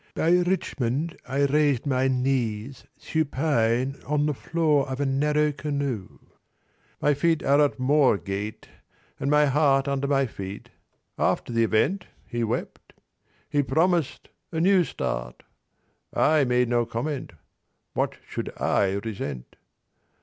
By Richmond I raised my knees Supine on the floor of a narrow canoe." "My feet are at Moorgate, and my heart Under my feet. After the event He wept. He promised 'a new start'. I made no comment. What should I resent?"